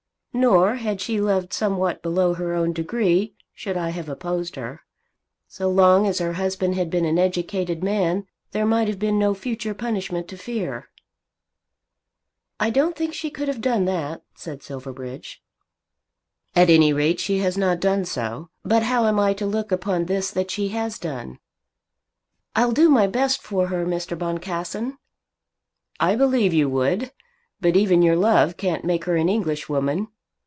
Nor, had she loved somewhat below her own degree, should I have opposed her. So long as her husband had been an educated man, there might have been no future punishment to fear." "I don't think she could have done that," said Silverbridge. "At any rate she has not done so. But how am I to look upon this that she has done?" "I'll do my best for her, Mr. Boncassen." "I believe you would. But even your love can't make her an Englishwoman.